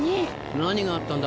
何があったんだ？